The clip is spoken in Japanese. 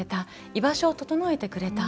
居場所を整えてくれた。